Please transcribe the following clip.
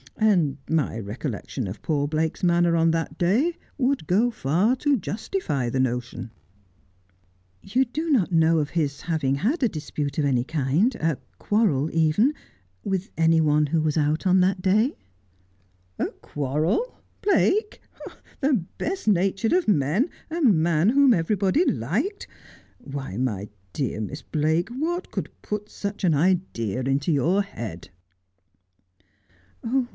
And my re collection of poor Blake's manner on that day would go far to justify the notion.' ' You do not know of his having had a dispute of any kind ■— a quarrel, even — with any one who was out that day 1 '' A quarrel — Blake ! The best natured of men — a man whom everybody liked. Why, my dear Miss Blake, what could put such an idea into your head